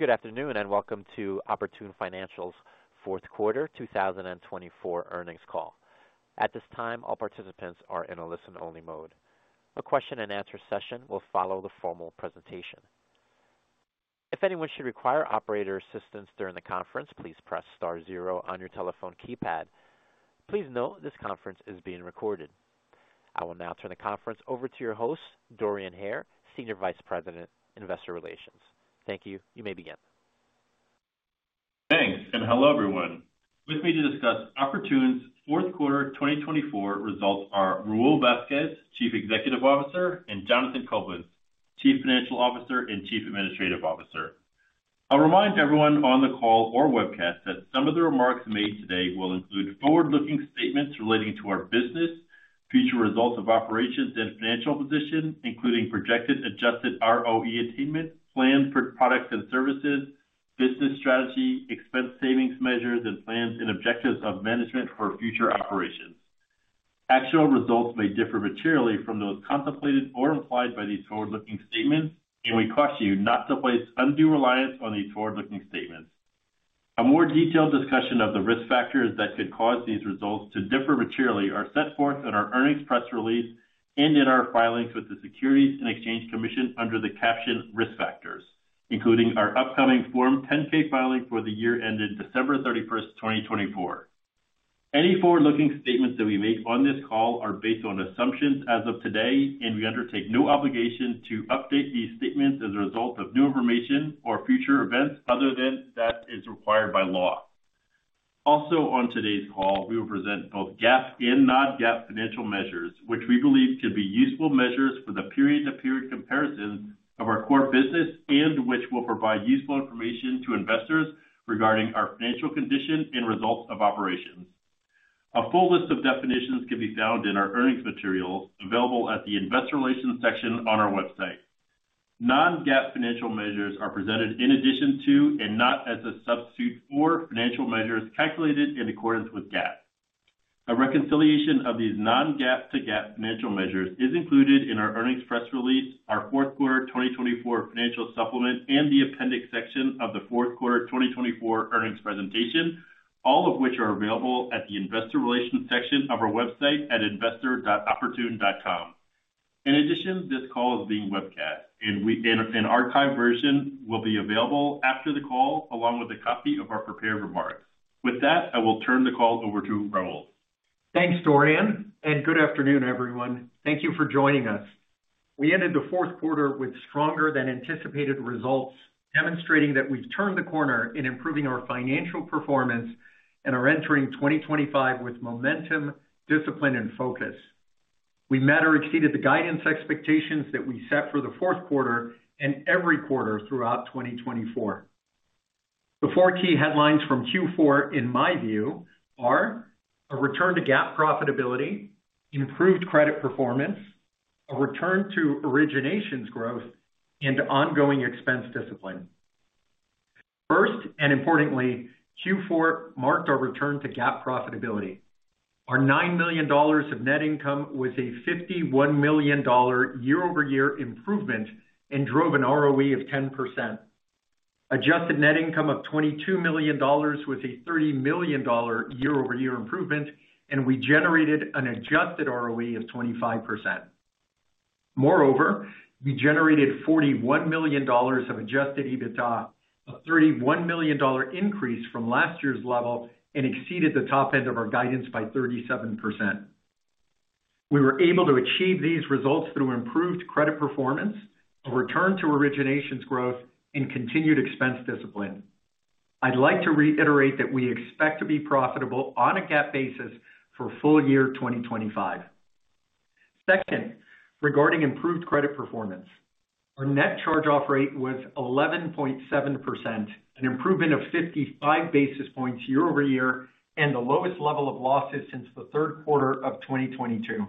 Good afternoon and welcome to Oportun Financial's Fourth Quarter 2024 Earnings Call. At this time, all participants are in a listen-only mode. A question-and-answer session will follow the formal presentation. If anyone should require operator assistance during the conference, please press star zero on your telephone keypad. Please note this conference is being recorded. I will now turn the conference over to your host Dorian Hare, Senior Vice President Investor Relations. Thank you. You may begin. Thanks and hello everyone. With me to discuss Oportun's Fourth Quarter 2024 results are Raul Vazquez, Chief Executive Officer, and Jonathan Coblentz, Chief Financial Officer and Chief Administrative Officer. I'll remind everyone on the call or webcast that some of the remarks made today will include forward-looking statements relating to our business, future results of operations, and financial position, including projected adjusted ROE attainment, plan for products and services, business strategy, expense savings measures, and plans and objectives of management for future operations. Actual results may differ materially from those contemplated or implied by these forward-looking statements, and we caution you not to place undue reliance on these forward-looking statements. A more detailed discussion of the risk factors that could cause these results to differ materially is set forth in our earnings press release and in our filings with the Securities and Exchange Commission under the captioned risk factors, including our upcoming Form 10-K filing for the year ending December 31, 2024. Any forward-looking statements that we make on this call are based on assumptions as of today, and we undertake no obligation to update these statements as a result of new information or future events other than that is required by law. Also, on today's call, we will present both GAAP and non-GAAP financial measures, which we believe could be useful measures for the period-to-period comparisons of our core business and which will provide useful information to investors regarding our financial condition and results of operations. A full list of definitions can be found in our earnings materials available at the Investor Relations section on our website. Non-GAAP financial measures are presented in addition to and not as a substitute for financial measures calculated in accordance with GAAP. A reconciliation of these non-GAAP to GAAP financial measures is included in our earnings press release, our Fourth Quarter 2024 financial supplement, and the appendix section of the Fourth Quarter 2024 earnings presentation, all of which are available at the Investor Relations section of our website at investor.oportun.com. In addition, this call is being webcast, and an archived version will be available after the call along with a copy of our prepared remarks. With that, I will turn the call over to Raul. Thanks Dorian and good afternoon everyone. Thank you for joining us. We ended the fourth quarter with stronger-than-anticipated results, demonstrating that we've turned the corner in improving our financial performance and are entering 2025 with momentum, discipline, and focus. We met or exceeded the guidance expectations that we set for the fourth quarter and every quarter throughout 2024. The four key headlines from Q4, in my view, are a return to GAAP profitability, improved credit performance, a return to originations growth, and ongoing expense discipline. First, and importantly, Q4 marked our return to GAAP profitability. Our $9 million of net income was a $51 million year-over-year improvement and drove an ROE of 10%. Adjusted net income of $22 million was a $30 million year-over-year improvement, and we generated an adjusted ROE of 25%. Moreover, we generated $41 million of adjusted EBITDA, a $31 million increase from last year's level, and exceeded the top end of our guidance by 37%. We were able to achieve these results through improved credit performance, a return to originations growth, and continued expense discipline. I'd like to reiterate that we expect to be profitable on a GAAP basis for full year 2025. Second, regarding improved credit performance, our net charge-off rate was 11.7%, an improvement of 55 basis points year-over-year, and the lowest level of losses since the third quarter of 2022.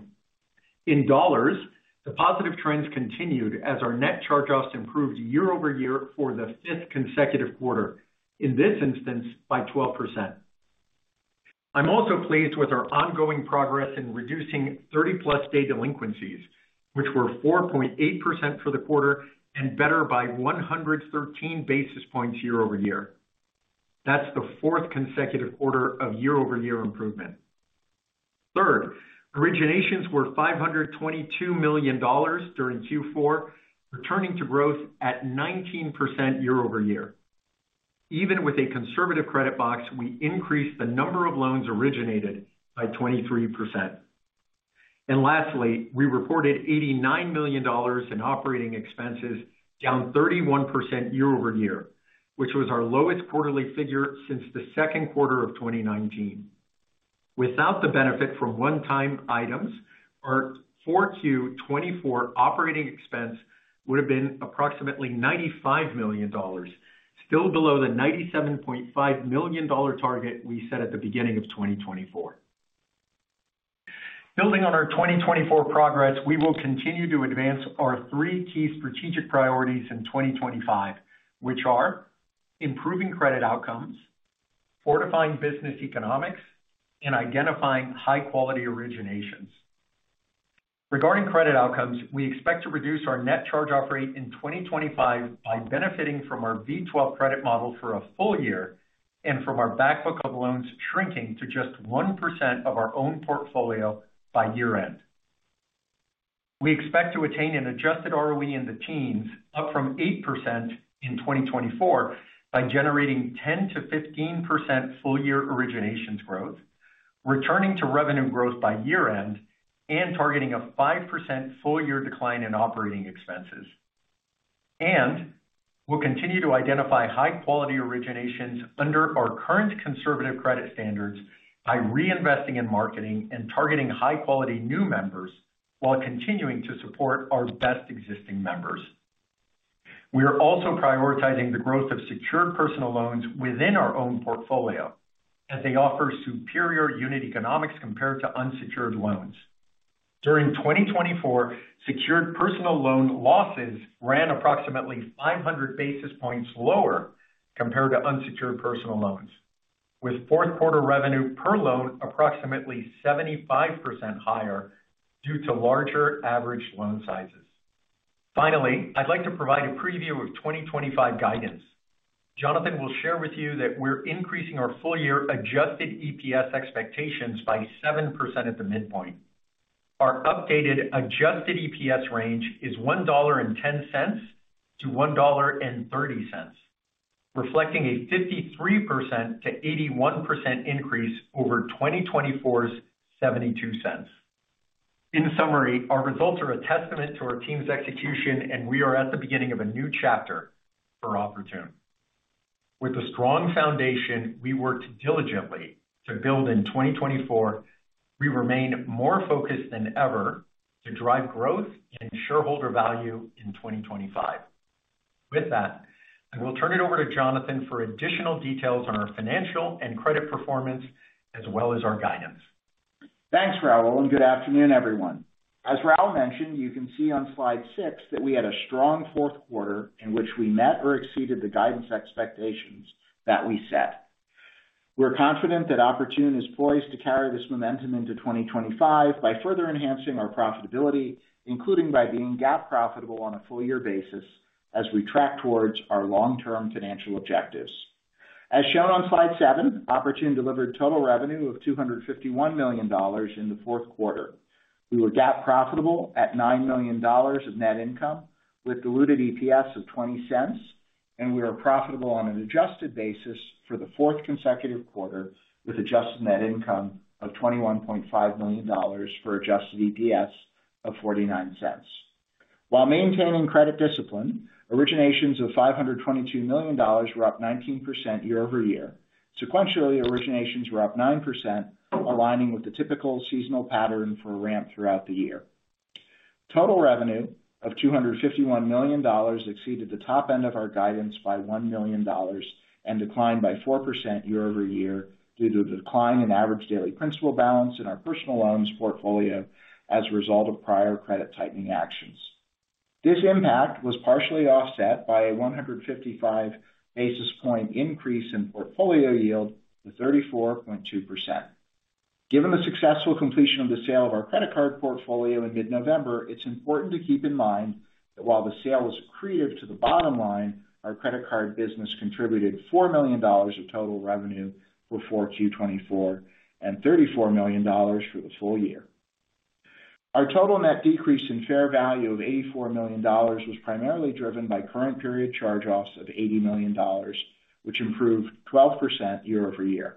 In dollars, the positive trends continued as our net charge-offs improved year-over-year for the fifth consecutive quarter, in this instance by 12%. I'm also pleased with our ongoing progress in reducing 30-plus day delinquencies, which were 4.8% for the quarter and better by 113 basis points year-over-year. That's the fourth consecutive quarter of year-over-year improvement. Third, originations were $522 million during Q4, returning to growth at 19% year-over-year. Even with a conservative credit box, we increased the number of loans originated by 23%. Lastly, we reported $89 million in operating expenses, down 31% year-over-year, which was our lowest quarterly figure since the second quarter of 2019. Without the benefit from one-time items, our 4Q24 operating expense would have been approximately $95 million, still below the $97.5 million target we set at the beginning of 2024. Building on our 2024 progress, we will continue to advance our three key strategic priorities in 2025, which are improving credit outcomes, fortifying business economics, and identifying high-quality originations. Regarding credit outcomes, we expect to reduce our net charge-off rate in 2025 by benefiting from our V12 credit model for a full year and from our backbook of loans shrinking to just 1% of our own portfolio by year-end. We expect to attain an adjusted ROE in the teens, up from 8% in 2024, by generating 10-15% full-year originations growth, returning to revenue growth by year-end, and targeting a 5% full-year decline in operating expenses. We will continue to identify high-quality originations under our current conservative credit standards by reinvesting in marketing and targeting high-quality new members while continuing to support our best existing members. We are also prioritizing the growth of secured personal loans within our own portfolio, as they offer superior unit economics compared to unsecured loans. During 2024, secured personal loan losses ran approximately 500 basis points lower compared to unsecured personal loans, with fourth-quarter revenue per loan approximately 75% higher due to larger average loan sizes. Finally, I'd like to provide a preview of 2025 guidance. Jonathan will share with you that we're increasing our full-year adjusted EPS expectations by 7% at the midpoint. Our updated adjusted EPS range is $1.10-$1.30, reflecting a 53%-81% increase over 2024's 72 cents. In summary, our results are a testament to our team's execution, and we are at the beginning of a new chapter for Oportun. With a strong foundation, we worked diligently to build in 2024. We remain more focused than ever to drive growth and shareholder value in 2025. With that, I will turn it over to Jonathan for additional details on our financial and credit performance, as well as our guidance. Thanks Raul. Good afternoon everyone. As Raul mentioned, you can see on slide six that we had a strong fourth quarter in which we met or exceeded the guidance expectations that we set. We're confident that Oportun is poised to carry this momentum into 2025 by further enhancing our profitability, including by being GAAP profitable on a full-year basis as we track towards our long-term financial objectives. As shown on slide seven, Oportun delivered total revenue of $251 million in the fourth quarter. We were GAAP profitable at $9 million of net income with diluted EPS of $0.20, and we were profitable on an adjusted basis for the fourth consecutive quarter with adjusted net income of $21.5 million for adjusted EPS of $0.49. While maintaining credit discipline, originations of $522 million were up 19% year-over-year. Sequentially, originations were up 9%, aligning with the typical seasonal pattern for a ramp throughout the year. Total revenue of $251 million exceeded the top end of our guidance by $1 million and declined by 4% year-over-year due to the decline in average daily principal balance in our personal loans portfolio as a result of prior credit-tightening actions. This impact was partially offset by a 155 basis point increase in portfolio yield to 34.2%. Given the successful completion of the sale of our credit card portfolio in mid-November, it's important to keep in mind that while the sale was accretive to the bottom line, our credit card business contributed $4 million of total revenue 4Q24 and $34 million for the full year. Our total net decrease in fair value of $84 million was primarily driven by current period charge-offs of $80 million, which improved 12% year-over-year.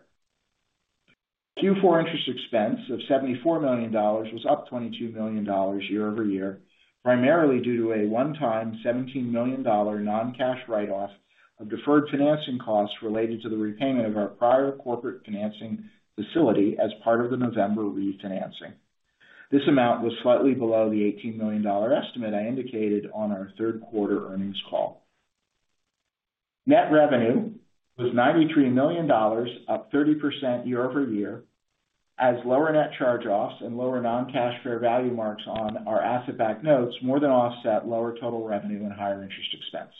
Q4 interest expense of $74 million was up $22 million year-over-year, primarily due to a one-time $17 million non-cash write-off of deferred financing costs related to the repayment of our prior corporate financing facility as part of the November refinancing. This amount was slightly below the $18 million estimate I indicated on our third quarter earnings call. Net revenue was $93 million, up 30% year-over-year, as lower net charge-offs and lower non-cash fair value marks on our asset-backed notes more than offset lower total revenue and higher interest expense.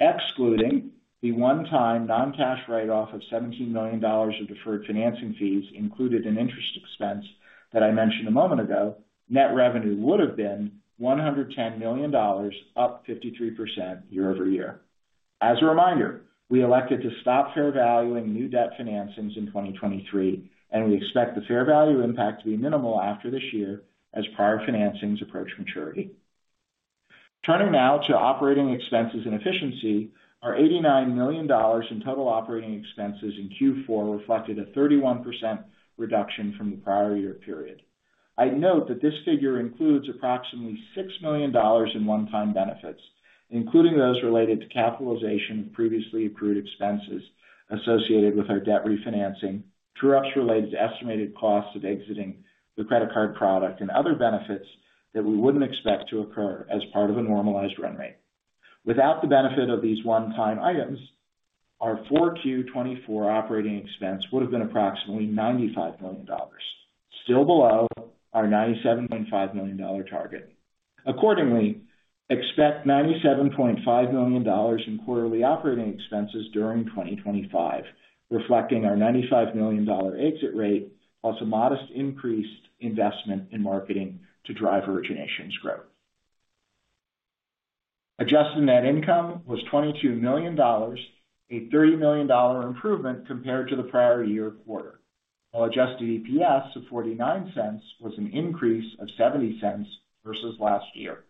Excluding the one-time non-cash write-off of $17 million of deferred financing fees, included in interest expense that I mentioned a moment ago, net revenue would have been $110 million, up 53% year-over-year. As a reminder, we elected to stop fair valuing new debt financings in 2023, and we expect the fair value impact to be minimal after this year as prior financings approach maturity. Turning now to operating expenses and efficiency, our $89 million in total operating expenses in Q4 reflected a 31% reduction from the prior year period. I'd note that this figure includes approximately $6 million in one-time benefits, including those related to capitalization of previously accrued expenses associated with our debt refinancing, true ups related to estimated costs of exiting the credit card product, and other benefits that we wouldn't expect to occur as part of a normalized run rate. Without the benefit of these one-time items, our 4Q24 operating expense would have been approximately $95 million, still below our $97.5 million target. Accordingly, expect $97.5 million in quarterly operating expenses during 2025, reflecting our $95 million exit rate, plus a modest increased investment in marketing to drive originations growth. Adjusted net income was $22 million, a $30 million improvement compared to the prior year quarter. While adjusted EPS of $0.49 was an increase of $0.70 versus last year.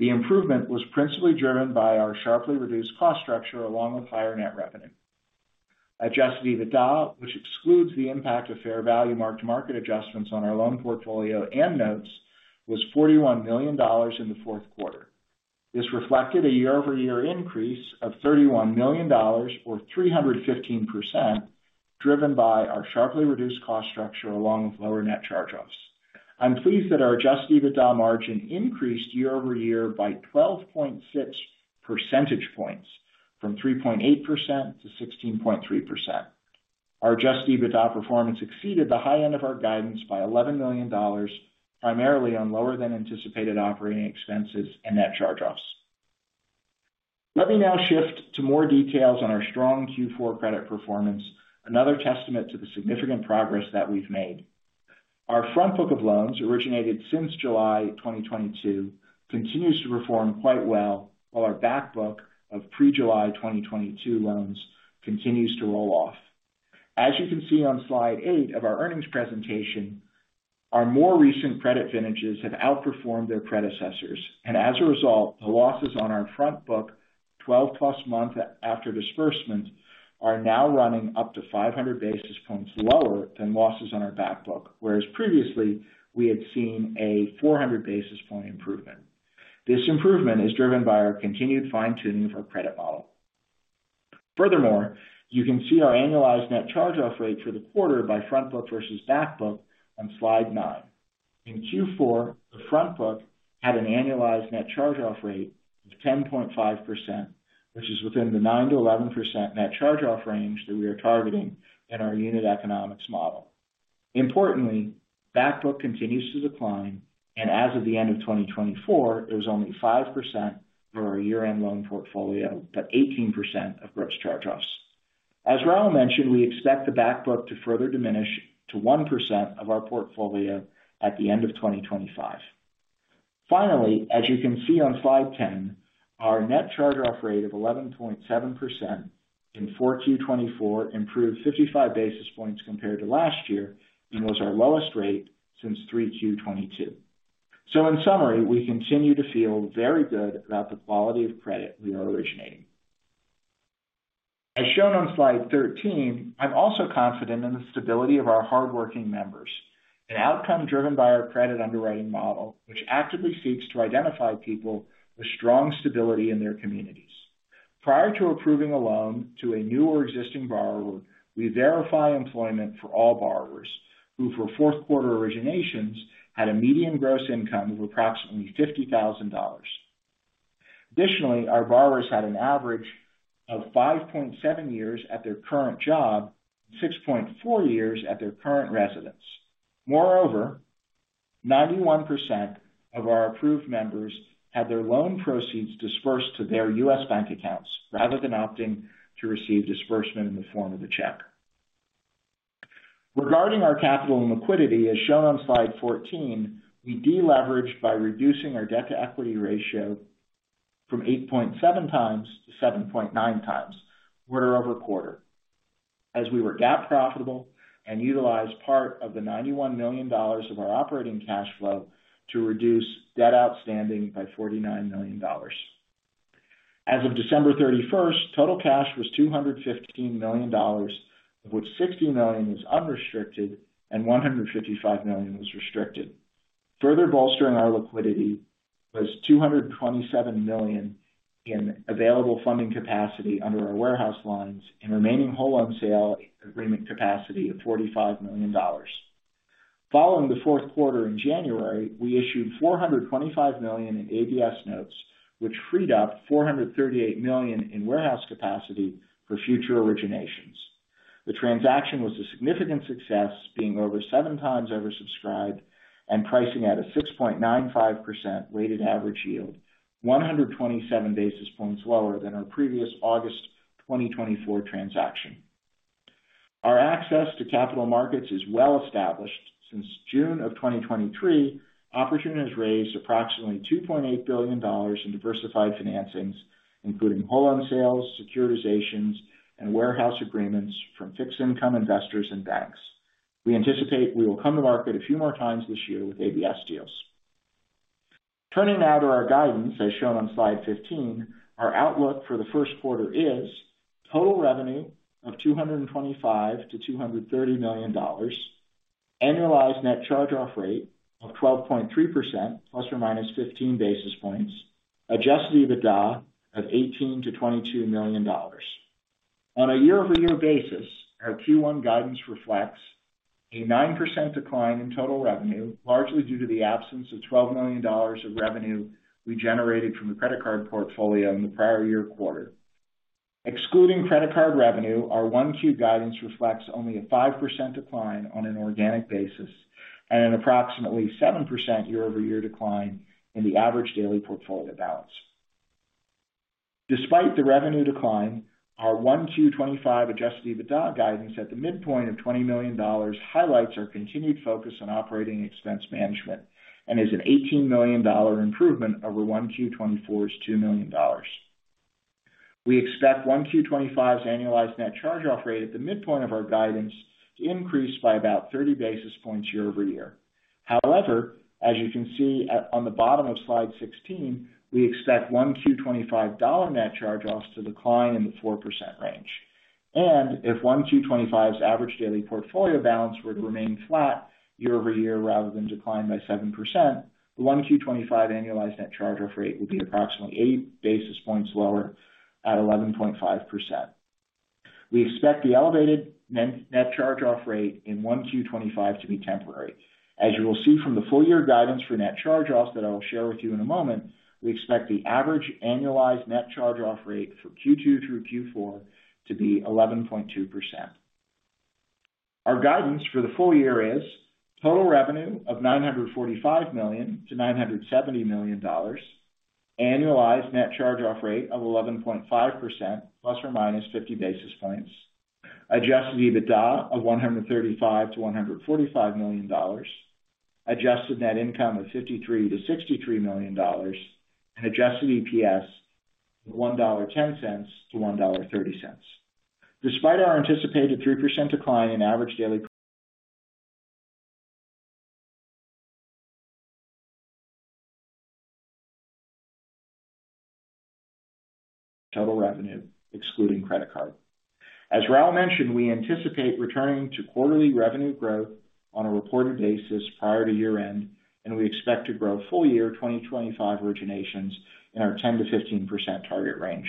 The improvement was principally driven by our sharply reduced cost structure along with higher net revenue. Adjusted EBITDA, which excludes the impact of fair value marked market adjustments on our loan portfolio and notes, was $41 million in the fourth quarter. This reflected a year-over-year increase of $31 million, or 315%, driven by our sharply reduced cost structure along with lower net charge-offs. I'm pleased that our adjusted EBITDA margin increased year-over-year by 12.6 percentage points, from 3.8% to 16.3%. Our adjusted EBITDA performance exceeded the high end of our guidance by $11 million, primarily on lower-than-anticipated operating expenses and net charge-offs. Let me now shift to more details on our strong Q4 credit performance, another testament to the significant progress that we've made. Our front book of loans originated since July 2022 continues to perform quite well, while our backbook of pre-July 2022 loans continues to roll off. As you can see on slide eight of our earnings presentation, our more recent credit vintages have outperformed their predecessors, and as a result, the losses on our front book 12-plus months after disbursement are now running up to 500 basis points lower than losses on our backbook, whereas previously we had seen a 400 basis point improvement. This improvement is driven by our continued fine-tuning of our credit model. Furthermore, you can see our annualized net charge-off rate for the quarter by front book versus backbook on slide nine. In Q4, the front book had an annualized net charge-off rate of 10.5%, which is within the 9-11% net charge-off range that we are targeting in our unit economics model. Importantly, backbook continues to decline, and as of the end of 2024, it was only 5% of our year-end loan portfolio, but 18% of gross charge-offs. As Raul mentioned, we expect the backbook to further diminish to 1% of our portfolio at the end of 2025. Finally, as you can see on slide 10, our net charge-off rate of 11.7% in 4Q24 improved 55 basis points compared to last year and was our lowest rate since 3Q22. In summary, we continue to feel very good about the quality of credit we are originating. As shown on slide 13, I'm also confident in the stability of our hardworking members, an outcome driven by our credit underwriting model, which actively seeks to identify people with strong stability in their communities. Prior to approving a loan to a new or existing borrower, we verify employment for all borrowers who, for fourth-quarter originations, had a median gross income of approximately $50,000. Additionally, our borrowers had an average of 5.7 years at their current job and 6.4 years at their current residence. Moreover, 91% of our approved members had their loan proceeds disbursed to their U.S. bank accounts rather than opting to receive disbursement in the form of a check. Regarding our capital and liquidity, as shown on slide 14, we deleveraged by reducing our debt-to-equity ratio from 8.7 times to 7.9 times quarter over quarter, as we were GAAP profitable and utilized part of the $91 million of our operating cash flow to reduce debt outstanding by $49 million. As of December 31st, total cash was $215 million, of which $60 million was unrestricted and $155 million was restricted. Further bolstering our liquidity was $227 million in available funding capacity under our warehouse lines and remaining whole-on-sale agreement capacity of $45 million. Following the fourth quarter in January, we issued $425 million in asset-backed securities notes, which freed up $438 million in warehouse capacity for future originations. The transaction was a significant success, being over seven times oversubscribed and pricing at a 6.95% weighted average yield, 127 basis points lower than our previous August 2024 transaction. Our access to capital markets is well established. Since June of 2023, Oportun has raised approximately $2.8 billion in diversified financings, including whole-loan sales, securitizations, and warehouse agreements from fixed-income investors and banks. We anticipate we will come to market a few more times this year with ABS deals. Turning now to our guidance, as shown on slide 15, our outlook for the first quarter is total revenue of $225-$230 million, annualized net charge-off rate of 12.3%, plus or minus 15 basis points, adjusted EBITDA of $18-$22 million. On a year-over-year basis, our Q1 guidance reflects a 9% decline in total revenue, largely due to the absence of $12 million of revenue we generated from the credit card portfolio in the prior year quarter. Excluding credit card revenue, our 1Q guidance reflects only a 5% decline on an organic basis and an approximately 7% year-over-year decline in the average daily portfolio balance. Despite the revenue decline, our 1Q25 adjusted EBITDA guidance at the midpoint of $20 million highlights our continued focus on operating expense management and is an $18 million improvement over 1Q24's $2 million. We expect 1Q25's annualized net charge-off rate at the midpoint of our guidance to increase by about 30 basis points year-over-year. However, as you can see on the bottom of slide 16, we expect 1Q25 dollar net charge-offs to decline in the 4% range. If 1Q25's average daily portfolio balance were to remain flat year-over-year rather than decline by 7%, the 1Q25 annualized net charge-off rate would be approximately 8 basis points lower at 11.5%. We expect the elevated net charge-off rate in 1Q25 to be temporary. As you will see from the full-year guidance for net charge-offs that I will share with you in a moment, we expect the average annualized net charge-off rate for Q2 through Q4 to be 11.2%. Our guidance for the full year is total revenue of $945 million-$970 million, annualized net charge-off rate of 11.5%, plus or minus 50 basis points, adjusted EBITDA of $135-$145 million, adjusted net income of $53-$63 million, and adjusted EPS of $1.10-$1.30. Despite our anticipated 3% decline in average daily total revenue, excluding credit card. As Raul mentioned, we anticipate returning to quarterly revenue growth on a reported basis prior to year-end, and we expect to grow full-year 2025 originations in our 10%-15% target range.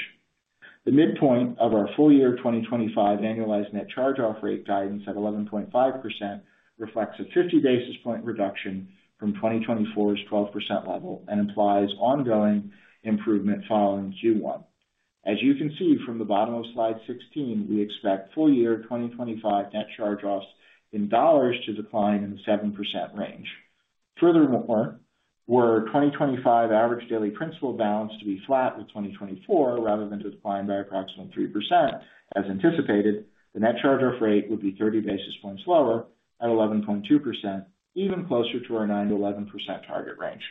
The midpoint of our full-year 2025 annualized net charge-off rate guidance at 11.5% reflects a 50 basis point reduction from 2024's 12% level and implies ongoing improvement following Q1. As you can see from the bottom of slide 16, we expect full-year 2025 net charge-offs in dollars to decline in the 7% range. Furthermore, were 2025 average daily principal balance to be flat with 2024 rather than to decline by approximately 3%, as anticipated, the net charge-off rate would be 30 basis points lower at 11.2%, even closer to our 9-11% target range.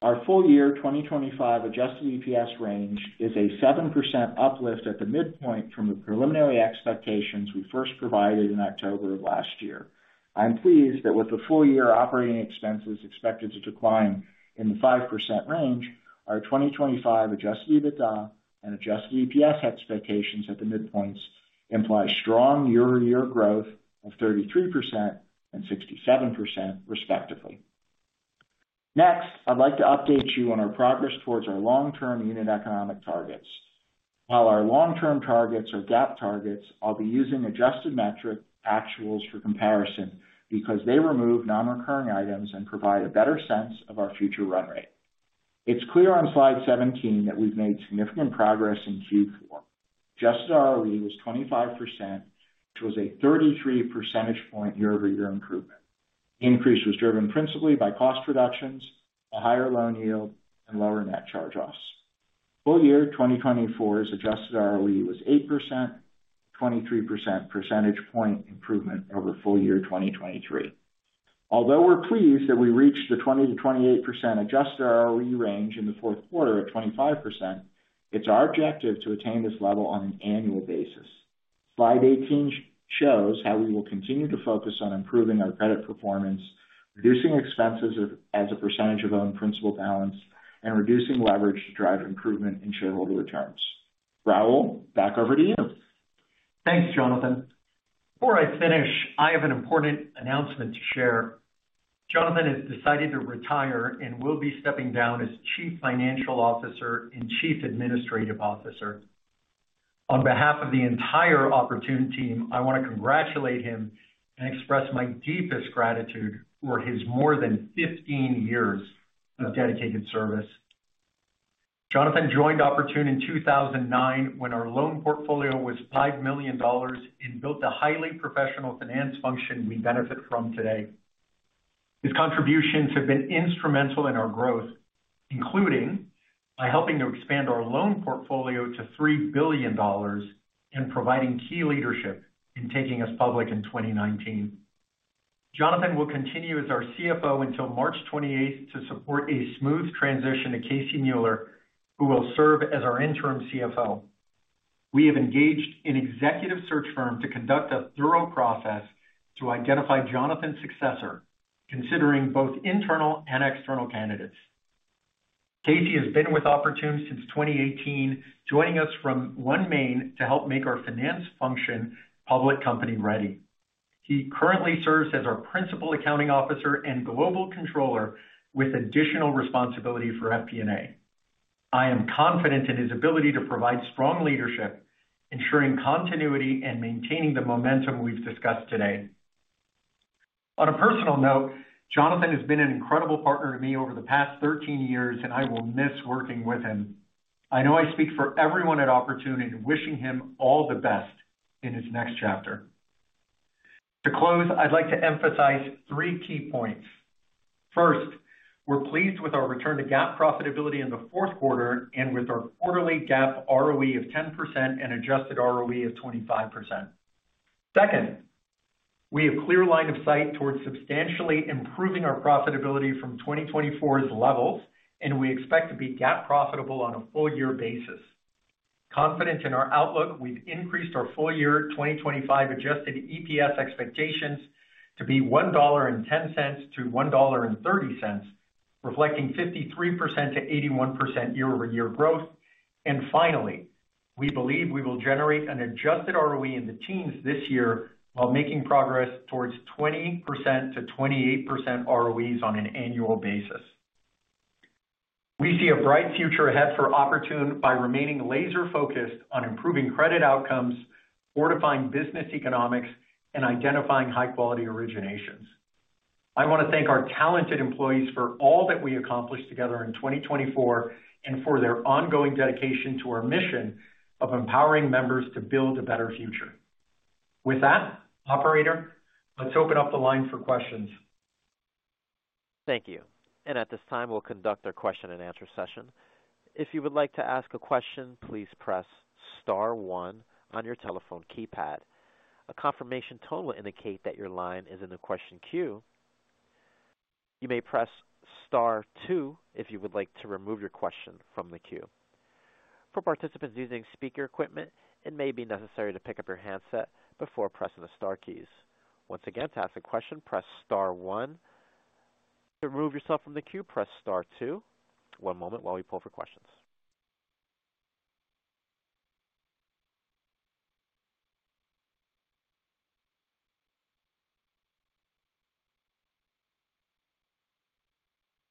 Our full-year 2025 adjusted EPS range is a 7% uplift at the midpoint from the preliminary expectations we first provided in October of last year. I'm pleased that with the full-year operating expenses expected to decline in the 5% range, our 2025 adjusted EBITDA and adjusted EPS expectations at the midpoints imply strong year-over-year growth of 33% and 67%, respectively. Next, I'd like to update you on our progress towards our long-term unit economic targets. While our long-term targets are GAAP targets, I'll be using adjusted metric actuals for comparison because they remove non-recurring items and provide a better sense of our future run rate. It's clear on slide 17 that we've made significant progress in Q4. Adjusted ROE was 25%, which was a 33 percentage point year-over-year improvement. The increase was driven principally by cost reductions, a higher loan yield, and lower net charge-offs. Full-year 2024's adjusted ROE was 8%, a 23 percentage point improvement over full-year 2023. Although we're pleased that we reached the 20-28% adjusted ROE range in the fourth quarter at 25%, it's our objective to attain this level on an annual basis. Slide 18 shows how we will continue to focus on improving our credit performance, reducing expenses as a percentage of owned principal balance, and reducing leverage to drive improvement in shareholder returns. Raul, back over to you. ThanksJonathan. Before I finish, I have an important announcement to share. Jonathan has decided to retire and will be stepping down as Chief Financial Officer and Chief Administrative Officer. On behalf of the entire Oportun team, I want to congratulate him and express my deepest gratitude for his more than 15 years of dedicated service. Jonathan joined Oportun in 2009 when our loan portfolio was $5 million and built the highly professional finance function we benefit from today. His contributions have been instrumental in our growth, including by helping to expand our loan portfolio to $3 billion and providing key leadership in taking us public in 2019. Jonathan will continue as our CFO until March 28th to support a smooth transition to Casey Mueller, who will serve as our interim CFO. We have engaged an executive search firm to conduct a thorough process to identify Jonathan's successor, considering both internal and external candidates. Casey has been with Oportun since 2018, joining us from OneMain to help make our finance function public company ready. He currently serves as our Principal Accounting Officer and Global Controller with additional responsibility for FP&A. I am confident in his ability to provide strong leadership, ensuring continuity and maintaining the momentum we've discussed today. On a personal note, Jonathan has been an incredible partner to me over the past 13 years, and I will miss working with him. I know I speak for everyone at Oportun and wish him all the best in his next chapter. To close, I'd like to emphasize three key points. First, we're pleased with our return to GAAP profitability in the fourth quarter and with our quarterly GAAP ROE of 10% and adjusted ROE of 25%. Second, we have a clear line of sight towards substantially improving our profitability from 2024's levels, and we expect to be GAAP profitable on a full-year basis. Confident in our outlook, we've increased our full-year 2025 adjusted EPS expectations to be $1.10-$1.30, reflecting 53%-81% year-over-year growth. Finally, we believe we will generate an adjusted ROE in the teens this year while making progress towards 20%-28% ROEs on an annual basis. We see a bright future ahead for Oportun by remaining laser-focused on improving credit outcomes, fortifying business economics, and identifying high-quality originations. I want to thank our talented employees for all that we accomplished together in 2024 and for their ongoing dedication to our mission of empowering members to build a better future. With that, Operator, let's open up the line for questions. Thank you. At this time, we'll conduct our question-and-answer session. If you would like to ask a question, please press Star 1 on your telephone keypad. A confirmation tone will indicate that your line is in the question queue. You may press Star 2 if you would like to remove your question from the queue. For participants using speaker equipment, it may be necessary to pick up your handset before pressing the Star keys. Once again, to ask a question, press Star 1. To remove yourself from the queue, press Star 2. One moment while we pull for questions.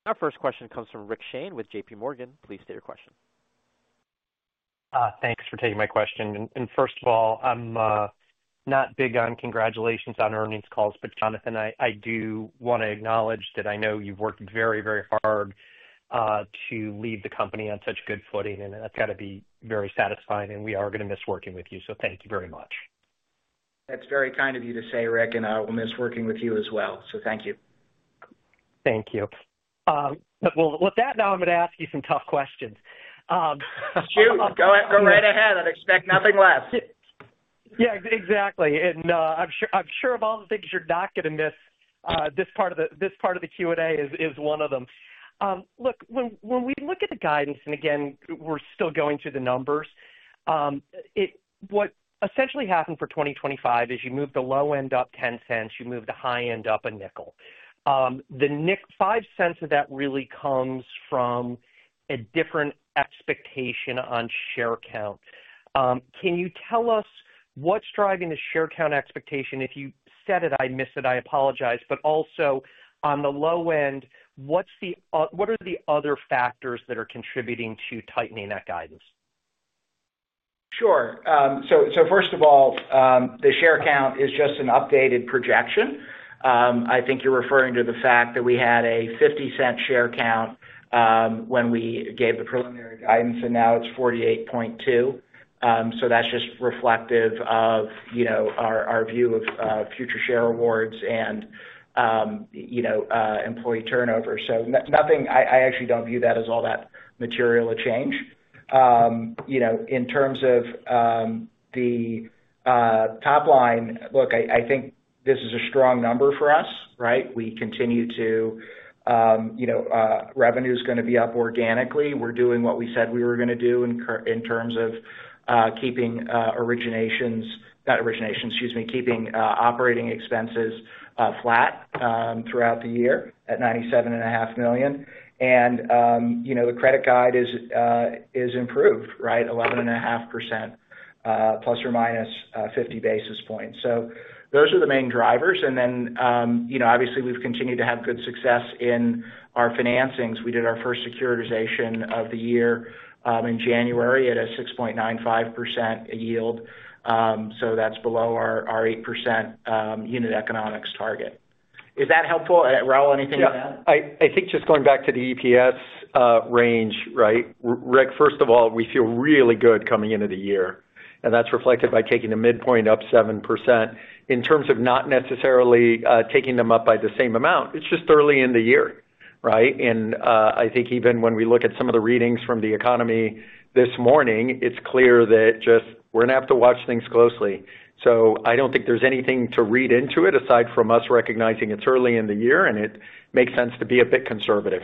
Our first question comes from Rick Shane with JPMorgan. Please state your question. Thanks for taking my question. First of all, I'm not big on congratulations on earnings calls, but Jonathan, I do want to acknowledge that I know you've worked very, very hard to lead the company on such good footing, and that's got to be very satisfying. We are going to miss working with you, so thank you very much. That's very kind of you to say Rick and I will miss working with you as well. Thank you. With that, now I'm going to ask you some tough questions. Shoot. Go right ahead. I'd expect nothing less. Yeah, exactly. I'm sure of all the things you're not going to miss, this part of the Q&A is one of them. Look, when we look at the guidance, and again, we're still going through the numbers, what essentially happened for 2025 is you moved the low end up 10 cents, you moved the high end up a nickel. The 5 cents of that really comes from a different expectation on share count. Can you tell us what's driving the share count expectation? If you said it, I missed it, I apologize. Also, on the low end, what are the other factors that are contributing to tightening that guidance? Sure. First of all, the share count is just an updated projection. I think you're referring to the fact that we had a 50-cent share count when we gave the preliminary guidance, and now it's 48.2. That's just reflective of our view of future share awards and employee turnover. I actually don't view that as all that material a change. In terms of the top line, look, I think this is a strong number for us, right? We continue to revenue is going to be up organically. We're doing what we said we were going to do in terms of keeping originations—not originations, excuse me—keeping operating expenses flat throughout the year at $97.5 million. The credit guide is improved, right? 11.5%, plus or minus 50 basis points. Those are the main drivers. Obviously, we've continued to have good success in our financings. We did our first securitization of the year in January at a 6.95% yield. That's below our 8% unit economics target. Is that helpful? Raul, anything to add? Yeah. I think just going back to the EPS range, right? Rick, first of all, we feel really good coming into the year. That's reflected by taking the midpoint up 7%. In terms of not necessarily taking them up by the same amount, it's just early in the year, right? I think even when we look at some of the readings from the economy this morning, it's clear that we're going to have to watch things closely. I don't think there's anything to read into it aside from us recognizing it's early in the year, and it makes sense to be a bit conservative.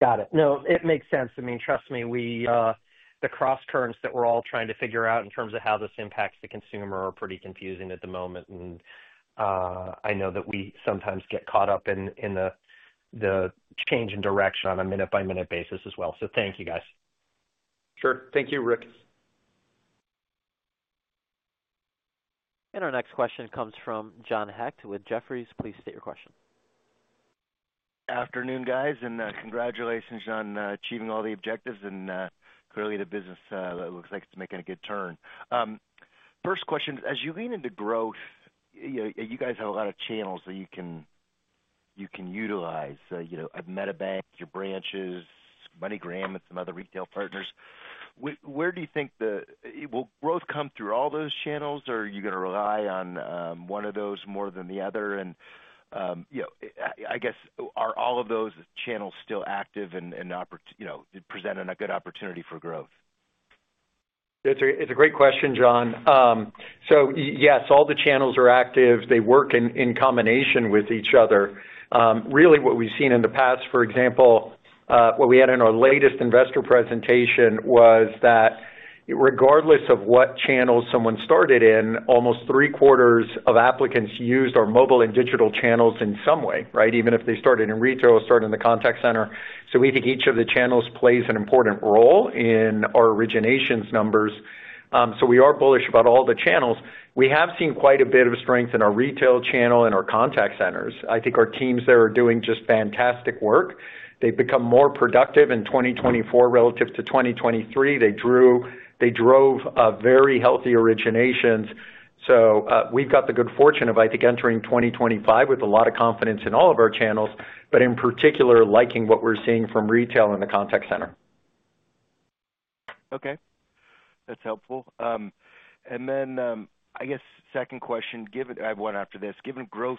Got it. No, it makes sense. I mean, trust me, the cross currents that we're all trying to figure out in terms of how this impacts the consumer are pretty confusing at the moment. I know that we sometimes get caught up in the change in direction on a minute-by-minute basis as well. Thank you, guys. Sure. Thank you, Rick. Our next question comes from John Hecht with Jefferies. Please state your question. Afternoon, guys. Congratulations on achieving all the objectives. Clearly, the business looks like it's making a good turn. First question, as you lean into growth, you guys have a lot of channels that you can utilize. You have MetaBank, your branches, MoneyGram, and some other retail partners. Where do you think the—will growth come through all those channels, or are you going to rely on one of those more than the other? I guess, are all of those channels still active and presenting a good opportunity for growth? It's a great question, John. Yes, all the channels are active. They work in combination with each other. Really, what we've seen in the past, for example, what we had in our latest investor presentation was that regardless of what channel someone started in, almost three-quarters of applicants used our mobile and digital channels in some way, right? Even if they started in retail or started in the contact center. We think each of the channels plays an important role in our originations numbers. We are bullish about all the channels. We have seen quite a bit of strength in our retail channel and our contact centers. I think our teams there are doing just fantastic work. They've become more productive in 2024 relative to 2023. They drove very healthy originations. We have the good fortune of, I think, entering 2025 with a lot of confidence in all of our channels, but in particular, liking what we are seeing from retail and the contact center. Okay. That is helpful. I guess, second question, I have one after this. Given growth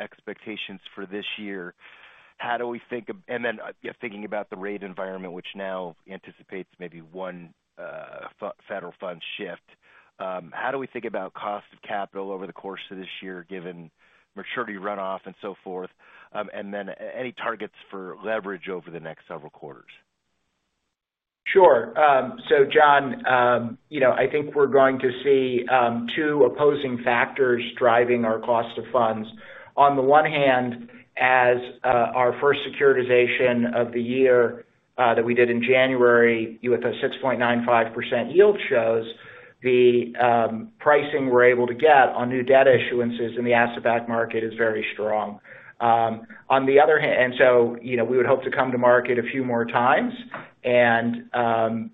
expectations for this year, how do we think—and then thinking about the rate environment, which now anticipates maybe one federal fund shift—how do we think about cost of capital over the course of this year, given maturity runoff and so forth? Any targets for leverage over the next several quarters? Sure. John, I think we are going to see two opposing factors driving our cost of funds. On the one hand, as our first securitization of the year that we did in January, with a 6.95% yield, shows the pricing we're able to get on new debt issuances in the asset-backed market is very strong. On the other hand, and so we would hope to come to market a few more times. Though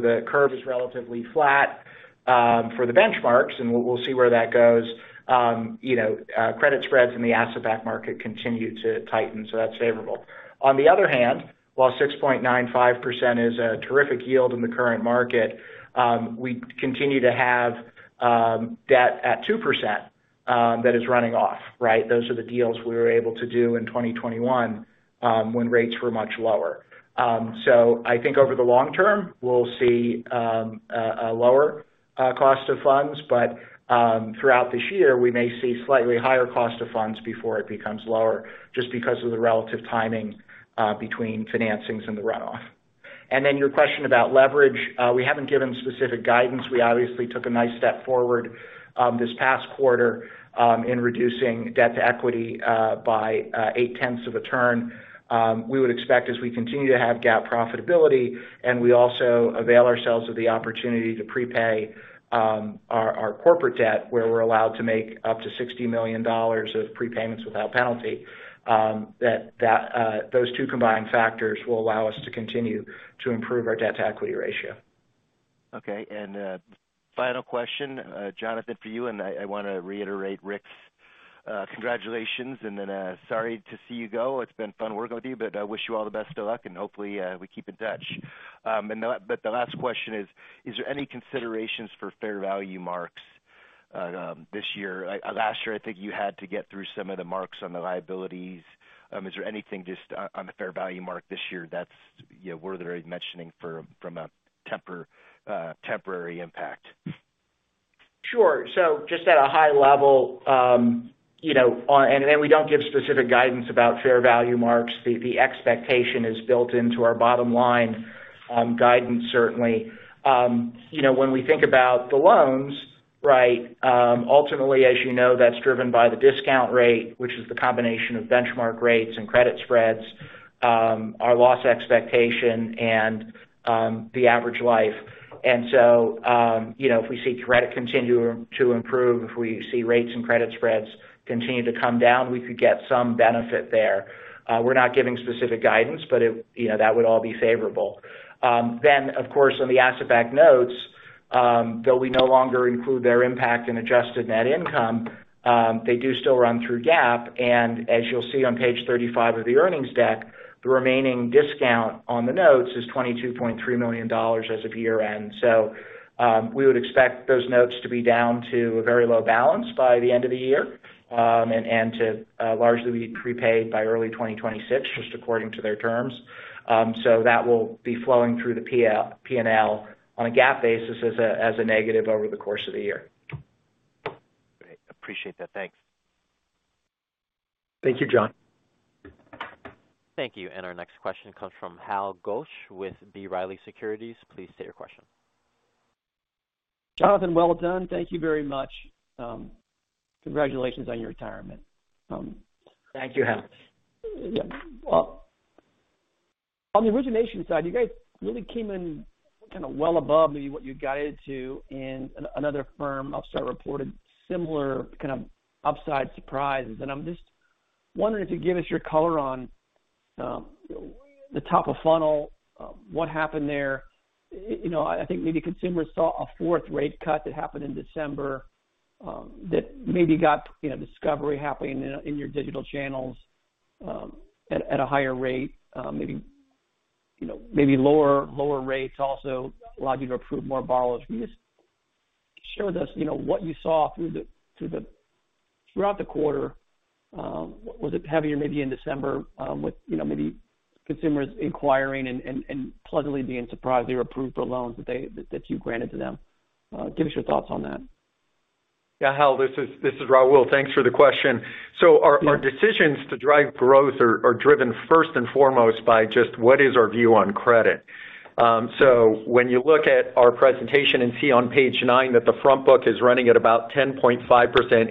the curve is relatively flat for the benchmarks, and we'll see where that goes, credit spreads in the asset-backed market continue to tighten, so that's favorable. On the other hand, while 6.95% is a terrific yield in the current market, we continue to have debt at 2% that is running off, right? Those are the deals we were able to do in 2021 when rates were much lower. I think over the long term, we'll see a lower cost of funds. Throughout this year, we may see slightly higher cost of funds before it becomes lower, just because of the relative timing between financings and the runoff. Your question about leverage, we haven't given specific guidance. We obviously took a nice step forward this past quarter in reducing debt to equity by 8/10 of a turn. We would expect, as we continue to have GAAP profitability, and we also avail ourselves of the opportunity to prepay our corporate debt, where we're allowed to make up to $60 million of prepayments without penalty, that those two combined factors will allow us to continue to improve our debt to equity ratio. Okay. Final question, Jonathan, for you. I want to reiterate Rick's congratulations and then sorry to see you go. It's been fun working with you, but I wish you all the best of luck, and hopefully, we keep in touch. The last question is, is there any considerations for fair value marks this year? Last year, I think you had to get through some of the marks on the liabilities. Is there anything just on the fair value mark this year that's worth mentioning from a temporary impact? Sure. Just at a high level, and we don't give specific guidance about fair value marks, the expectation is built into our bottom line guidance, certainly. When we think about the loans, right, ultimately, as you know, that's driven by the discount rate, which is the combination of benchmark rates and credit spreads, our loss expectation, and the average life. If we see credit continue to improve, if we see rates and credit spreads continue to come down, we could get some benefit there. We are not giving specific guidance, but that would all be favorable. Of course, on the asset-backed notes, though we no longer include their impact in adjusted net income, they do still run through GAAP. As you will see on page 35 of the earnings deck, the remaining discount on the notes is $22.3 million as of year-end. We would expect those notes to be down to a very low balance by the end of the year and to largely be prepaid by early 2026, just according to their terms. That will be flowing through the P&L on a GAAP basis as a negative over the course of the year. Great. Appreciate that. Thanks. Thank you, John. Thank you. Our next question comes from Hal Gosch with B. Riley Securities. Please state your question. Jonathan, well done. Thank you very much. Congratulations on your retirement. Thank you, Hal. Yeah. On the origination side, you guys really came in kind of well above maybe what you got into. Another firm, Upstart, reported similar kind of upside surprises. I'm just wondering if you'd give us your color on the top of funnel, what happened there. I think maybe consumers saw a fourth rate cut that happened in December that maybe got discovery happening in your digital channels at a higher rate, maybe lower rates also allowed you to approve more borrowers. Can you just share with us what you saw throughout the quarter? Was it heavier maybe in December with maybe consumers inquiring and pleasantly being surprised they were approved for loans that you granted to them? Give us your thoughts on that. Yeah, Hal, this is Raul. Thanks for the question. Our decisions to drive growth are driven first and foremost by just what is our view on credit. When you look at our presentation and see on page nine that the front book is running at about 10.5%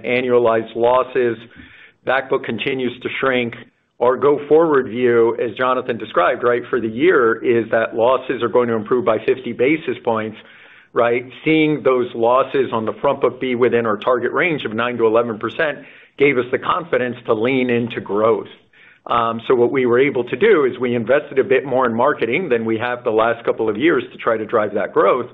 annualized losses, back book continues to shrink. Our go forward view, as Jonathan described, right, for the year is that losses are going to improve by 50 basis points, right? Seeing those losses on the front book be within our target range of 9-11% gave us the confidence to lean into growth. What we were able to do is we invested a bit more in marketing than we have the last couple of years to try to drive that growth.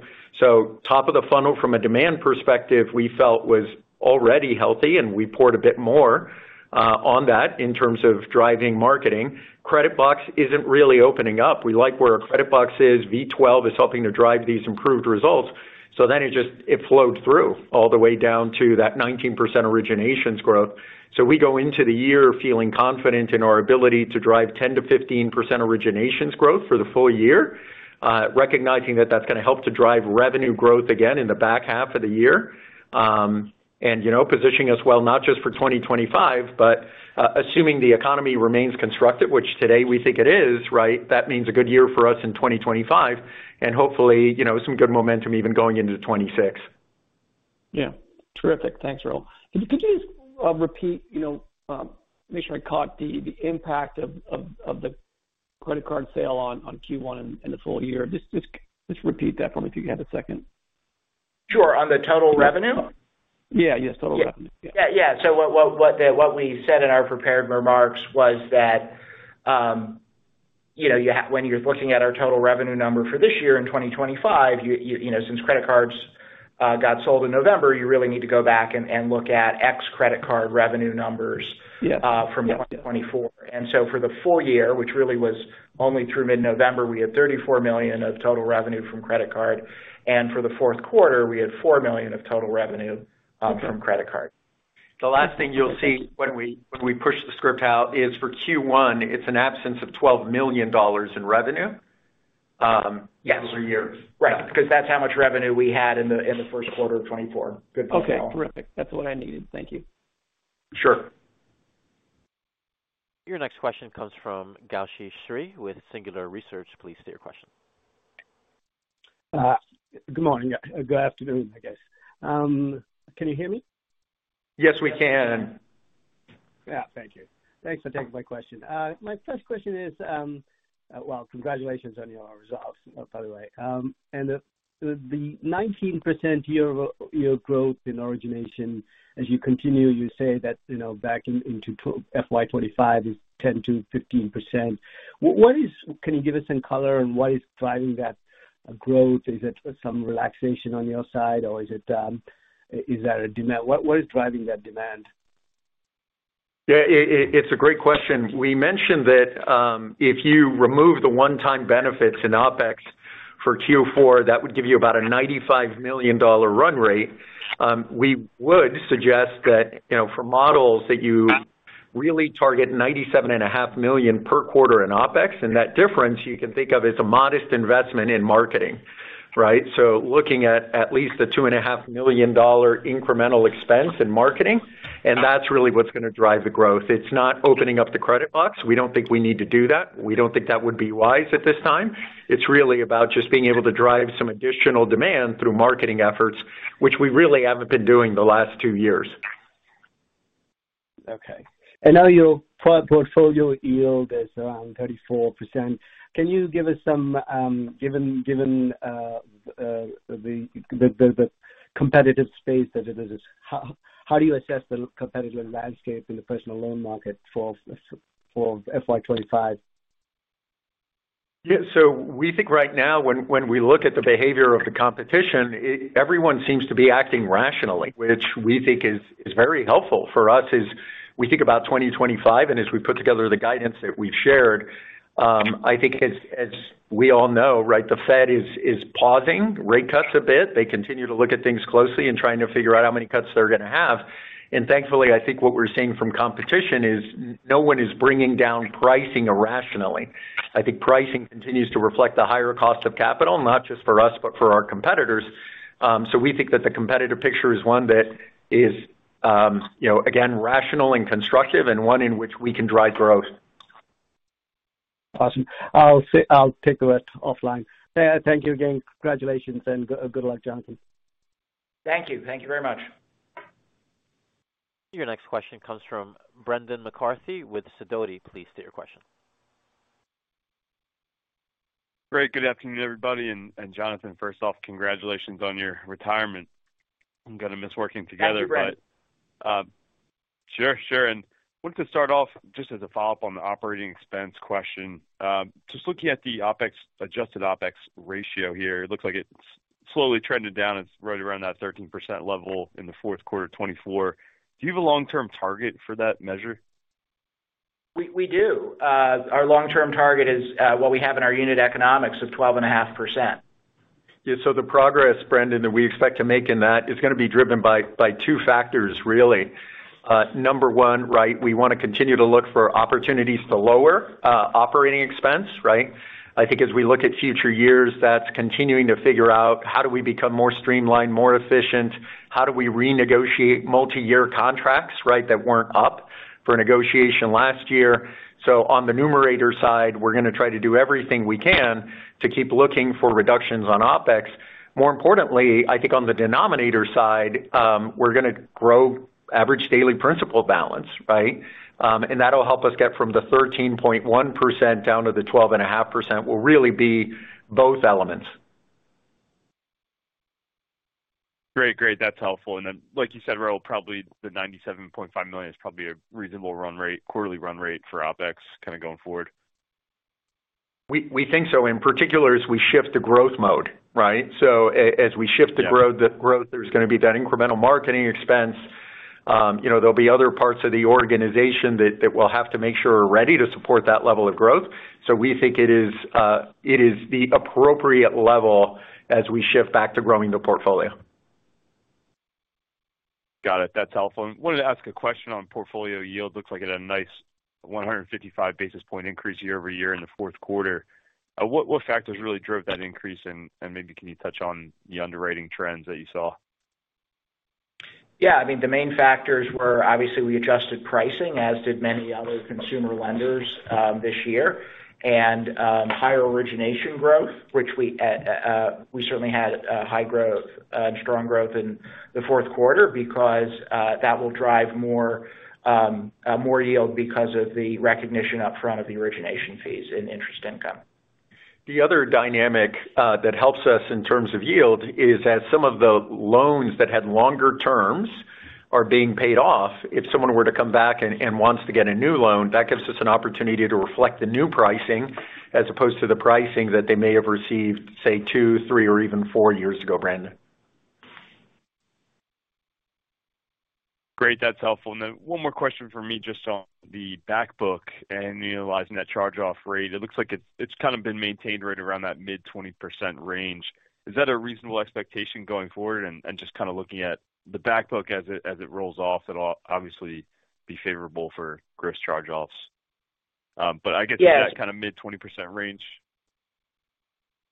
Top of the funnel from a demand perspective, we felt was already healthy, and we poured a bit more on that in terms of driving marketing. Credit box isn't really opening up. We like where our credit box is. V12 is helping to drive these improved results. It flowed through all the way down to that 19% originations growth. We go into the year feeling confident in our ability to drive 10-15% originations growth for the full year, recognizing that that's going to help to drive revenue growth again in the back half of the year and positioning us well not just for 2025, but assuming the economy remains constructive, which today we think it is, right? That means a good year for us in 2025 and hopefully some good momentum even going into 2026. Yeah. Terrific. Thanks, Raul. Could you just repeat—make sure I caught the impact of the credit card sale on Q1 and the full year? Just repeat that for me if you have a second. Sure. On the total revenue? Yeah. Yes. Total revenue. Yeah. Yeah. What we said in our prepared remarks was that when you're looking at our total revenue number for this year in 2025, since credit cards got sold in November, you really need to go back and look at ex-credit card revenue numbers from 2024. For the full year, which really was only through mid-November, we had $34 million of total revenue from credit card. For the fourth quarter, we had $4 million of total revenue from credit card. The last thing you'll see when we push the script out is for Q1, it's an absence of $12 million in revenue. Yes. Those are years. Right. Because that's how much revenue we had in the first quarter of 2024. Good thought, Raul. Okay. Terrific. That's what I needed. Thank you. Sure. Your next question comes from Gowshihan with Singular Research. Please state your question. Good morning. Good afternoon, I guess. Can you hear me? Yes, we can. Yeah. Thank you. Thanks for taking my question. My first question is—congratulations on your results, by the way. And the 19% year-over-year growth in origination, as you continue, you say that back into fiscal year 2025 is 10%-15%. Can you give us some color on what is driving that growth? Is it some relaxation on your side, or is that a demand? What is driving that demand? Yeah. It's a great question. We mentioned that if you remove the one-time benefits in OpEx for Q4, that would give you about a $95 million run rate. We would suggest that for models that you really target $97.5 million per quarter in OpEx, and that difference you can think of as a modest investment in marketing, right? Looking at at least a $2.5 million incremental expense in marketing, and that's really what's going to drive the growth. It's not opening up the credit box. We don't think we need to do that. We don't think that would be wise at this time. It's really about just being able to drive some additional demand through marketing efforts, which we really haven't been doing the last two years. Okay. Now your portfolio yield is around 34%. Can you give us some—given the competitive space that it is, how do you assess the competitive landscape in the personal loan market for FY2025? Yeah. We think right now, when we look at the behavior of the competition, everyone seems to be acting rationally, which we think is very helpful for us as we think about 2025. As we put together the guidance that we've shared, I think as we all know, right, the Fed is pausing rate cuts a bit. They continue to look at things closely and trying to figure out how many cuts they're going to have. Thankfully, I think what we're seeing from competition is no one is bringing down pricing irrationally. I think pricing continues to reflect the higher cost of capital, not just for us, but for our competitors. We think that the competitive picture is one that is, again, rational and constructive and one in which we can drive growth. Awesome. I'll take a breath offline. Thank you again. Congratulations and good luck, Jonathan. Thank you. Thank you very much. Your next question comes from Brendan McCarthy with Sidoti. Please state your question. Great. Good afternoon, everybody. And Jonathan, first off, congratulations on your retirement. I'm going to miss working together, but. Sure. Sure. I wanted to start off just as a follow-up on the operating expense question. Just looking at the adjusted OpEx ratio here, it looks like it's slowly trended down. It's right around that 13% level in the fourth quarter of 2024. Do you have a long-term target for that measure? We do. Our long-term target is what we have in our unit economics of 12.5%. Yeah. The progress, Brendan, that we expect to make in that is going to be driven by two factors, really. Number one, right, we want to continue to look for opportunities to lower operating expense, right? I think as we look at future years, that's continuing to figure out how do we become more streamlined, more efficient? How do we renegotiate multi-year contracts, right, that were not up for negotiation last year? On the numerator side, we're going to try to do everything we can to keep looking for reductions on OpEx. More importantly, I think on the denominator side, we're going to grow average daily principal balance, right? That will help us get from the 13.1% down to the 12.5%. It will really be both elements. Great. Great. That's helpful. Then, like you said, Raul, probably the $97.5 million is probably a reasonable quarterly run rate for OpEx kind of going forward. We think so. In particular, as we shift to growth mode, right? As we shift to growth, there is going to be that incremental marketing expense. There'll be other parts of the organization that we'll have to make sure are ready to support that level of growth. We think it is the appropriate level as we shift back to growing the portfolio. Got it. That's helpful. I wanted to ask a question on portfolio yield. Looks like it had a nice 155 basis point increase year over year in the fourth quarter. What factors really drove that increase? Maybe can you touch on the underwriting trends that you saw? Yeah. I mean, the main factors were obviously we adjusted pricing, as did many other consumer lenders this year, and higher origination growth, which we certainly had high growth and strong growth in the fourth quarter because that will drive more yield because of the recognition upfront of the origination fees and interest income. The other dynamic that helps us in terms of yield is that some of the loans that had longer terms are being paid off. If someone were to come back and wants to get a new loan, that gives us an opportunity to reflect the new pricing as opposed to the pricing that they may have received, say, two, three, or even four years ago, Brendan. Great. That's helpful. One more question for me just on the back book and utilizing that charge-off rate. It looks like it's kind of been maintained right around that mid-20% range. Is that a reasonable expectation going forward? Just kind of looking at the back book as it rolls off, it'll obviously be favorable for gross charge-offs. I guess that kind of mid-20% range.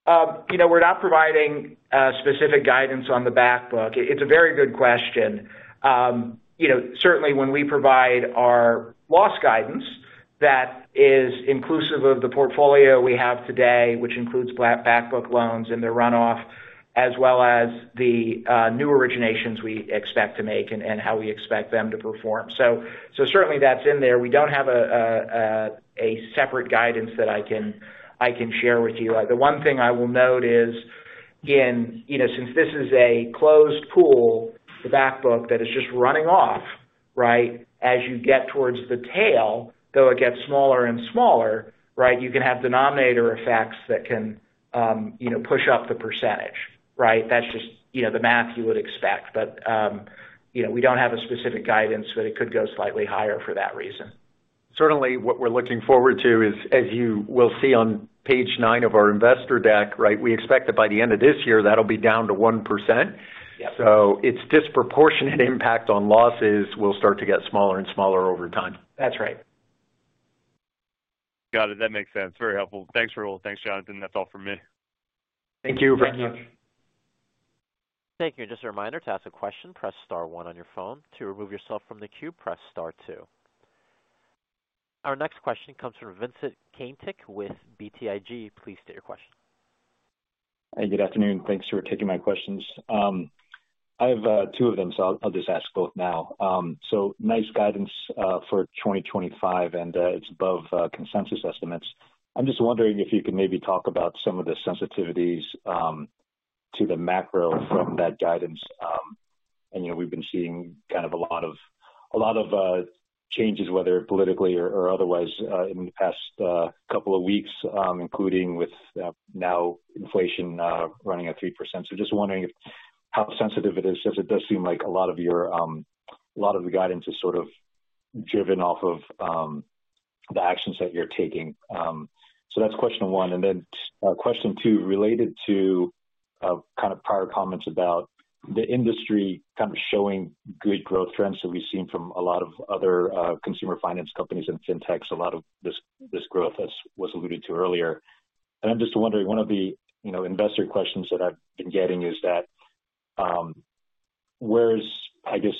We're not providing specific guidance on the back book. It's a very good question. Certainly, when we provide our loss guidance, that is inclusive of the portfolio we have today, which includes back book loans and the runoff, as well as the new originations we expect to make and how we expect them to perform. Certainly, that's in there. We do not have a separate guidance that I can share with you. The one thing I will note is, again, since this is a closed pool, the back book that is just running off, right, as you get towards the tail, though it gets smaller and smaller, right, you can have denominator effects that can push up the percentage, right? That is just the math you would expect. We do not have a specific guidance, but it could go slightly higher for that reason. Certainly, what we're looking forward to is, as you will see on page nine of our investor deck, right, we expect that by the end of this year, that'll be down to 1%. So its disproportionate impact on losses will start to get smaller and smaller over time. That's right. Got it. That makes sense. Very helpful. Thanks, Raul. Thanks, Jonathan. That's all for me. Thank you. Thank you. Thank you. Just a reminder to ask a question, press star one on your phone. To remove yourself from the queue, press star two. Our next question comes from Vincent Caintic with BTIG. Please state your question. Hey, good afternoon. Thanks for taking my questions. I have two of them, so I'll just ask both now. Nice guidance for 2025, and it's above consensus estimates. I'm just wondering if you could maybe talk about some of the sensitivities to the macro from that guidance. We've been seeing kind of a lot of changes, whether politically or otherwise, in the past couple of weeks, including with now inflation running at 3%. Just wondering how sensitive it is, since it does seem like a lot of your, a lot of the guidance is sort of driven off of the actions that you're taking. That's question one. Question two, related to kind of prior comments about the industry kind of showing good growth trends that we've seen from a lot of other consumer finance companies and fintechs, a lot of this growth, as was alluded to earlier. I'm just wondering, one of the investor questions that I've been getting is that, whereas, I guess,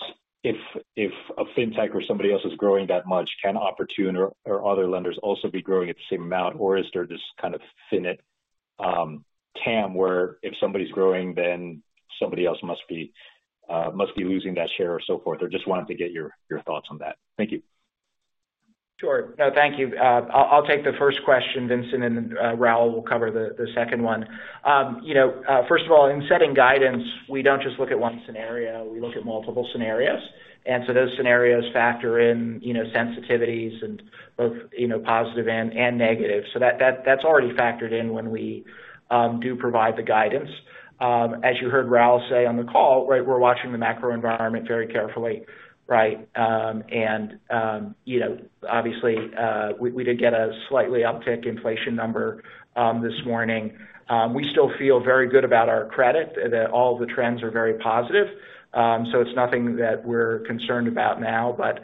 if a fintech or somebody else is growing that much, can Oportun or other lenders also be growing at the same amount, or is there this kind of finite cam where if somebody's growing, then somebody else must be losing that share or so forth? I just wanted to get your thoughts on that. Thank you. Sure. No, thank you. I'll take the first question, Vincent, and then Raul will cover the second one. First of all, in setting guidance, we don't just look at one scenario. We look at multiple scenarios. Those scenarios factor in sensitivities and both positive and negative. That's already factored in when we do provide the guidance. As you heard Raul say on the call, right, we're watching the macro environment very carefully, right? Obviously, we did get a slightly uptick inflation number this morning. We still feel very good about our credit, that all of the trends are very positive. It is nothing that we are concerned about now. The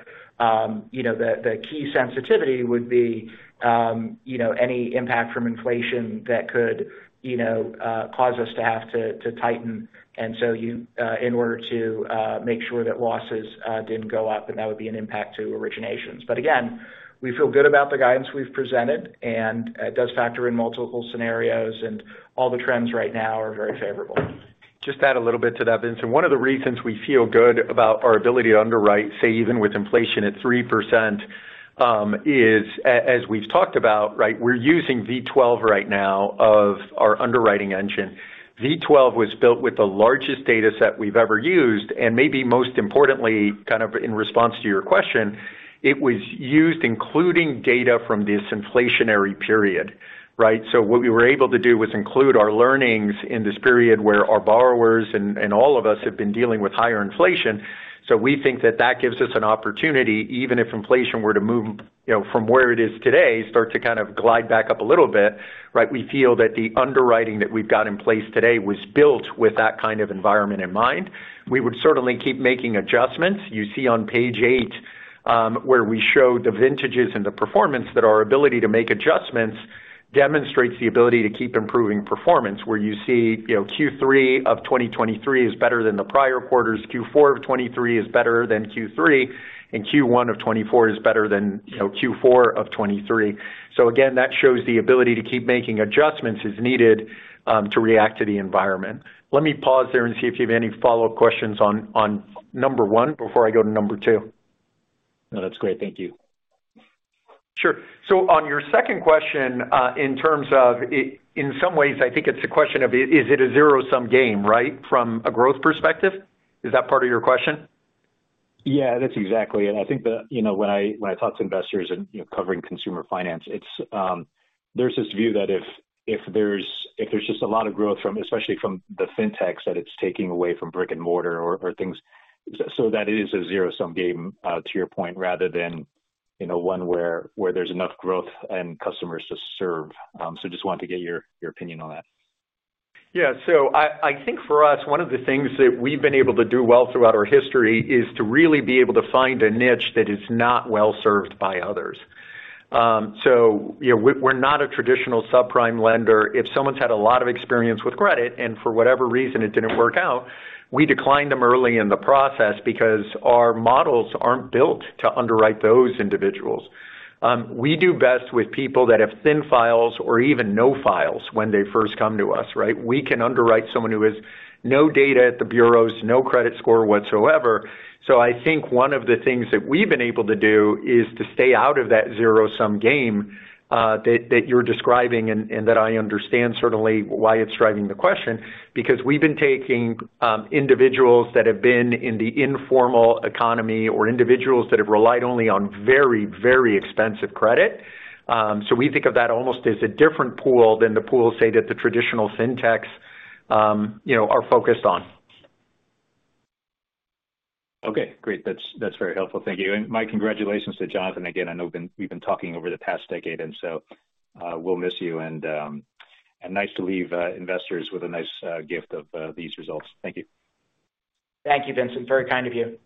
key sensitivity would be any impact from inflation that could cause us to have to tighten. In order to make sure that losses did not go up, that would be an impact to originations. Again, we feel good about the guidance we have presented, and it does factor in multiple scenarios, and all the trends right now are very favorable. Just add a little bit to that, Vincent. One of the reasons we feel good about our ability to underwrite, say, even with inflation at 3%, is, as we have talked about, right, we are using V12 right now of our underwriting engine. V12 was built with the largest data set we've ever used. Maybe most importantly, kind of in response to your question, it was used including data from this inflationary period, right? What we were able to do was include our learnings in this period where our borrowers and all of us have been dealing with higher inflation. We think that that gives us an opportunity, even if inflation were to move from where it is today, start to kind of glide back up a little bit, right? We feel that the underwriting that we've got in place today was built with that kind of environment in mind. We would certainly keep making adjustments. You see on page eight where we show the vintages and the performance that our ability to make adjustments demonstrates the ability to keep improving performance, where you see Q3 of 2023 is better than the prior quarters, Q4 of 2023 is better than Q3, and Q1 of 2024 is better than Q4 of 2023. That shows the ability to keep making adjustments as needed to react to the environment. Let me pause there and see if you have any follow-up questions on number one before I go to number two. No, that's great. Thank you. Sure. On your second question, in terms of, in some ways, I think it's a question of, is it a zero-sum game, right, from a growth perspective? Is that part of your question? Yeah, that's exactly it. I think that when I talk to investors and covering consumer finance, there's this view that if there's just a lot of growth, especially from the fintechs, that it's taking away from brick and mortar or things, so that it is a zero-sum game, to your point, rather than one where there's enough growth and customers to serve. Just wanted to get your opinion on that. Yeah. I think for us, one of the things that we've been able to do well throughout our history is to really be able to find a niche that is not well served by others. We're not a traditional subprime lender. If someone's had a lot of experience with credit and for whatever reason it did not work out, we decline them early in the process because our models are not built to underwrite those individuals. We do best with people that have thin files or even no files when they first come to us, right? We can underwrite someone who has no data at the bureaus, no credit score whatsoever. I think one of the things that we've been able to do is to stay out of that zero-sum game that you're describing and that I understand certainly why it's driving the question, because we've been taking individuals that have been in the informal economy or individuals that have relied only on very, very expensive credit. We think of that almost as a different pool than the pool, say, that the traditional fintechs are focused on. Okay. Great. That's very helpful. Thank you. My congratulations to Jonathan. Again, I know we've been talking over the past decade, and so we'll miss you. Nice to leave investors with a nice gift of these results. Thank you. Thank you, Vincent. Very kind of you.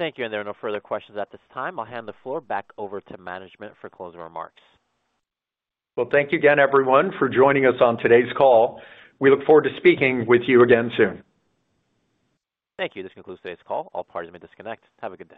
Thank you. There are no further questions at this time. I'll hand the floor back over to management for closing remarks. Thank you again, everyone, for joining us on today's call. We look forward to speaking with you again soon. Thank you. This concludes today's call. All parties may disconnect. Have a good day.